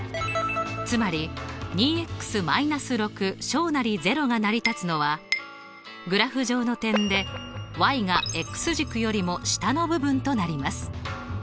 つまり２−６０が成り立つのはグラフ上の点でが軸よりも下の部分となります。